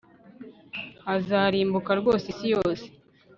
Azarimbuka rwose isi yose